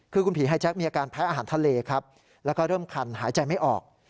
คือคุณผีไฮแจ็คมีอาการแพ้อาหารทะเลครับแล้วก็เริ่มคันหายใจไม่ออก